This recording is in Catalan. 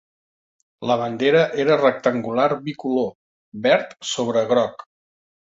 La bandera era rectangular bicolor, verd sobre groc.